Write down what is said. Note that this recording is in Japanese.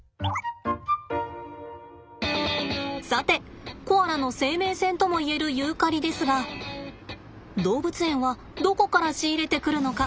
さてコアラの生命線ともいえるユーカリですが動物園はどこから仕入れてくるのか？